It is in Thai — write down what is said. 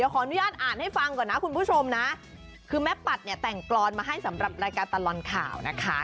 ก่อนนะคุณผู้ชมนะคือแม่ปัดเนี่ยแต่งกรอนมาให้สำหรับรายการตลอดข่าวนะคะ